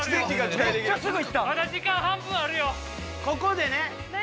ここでね